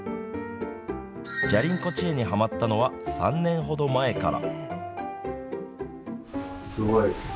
じゃりン子チエにはまったのは３年ほど前から。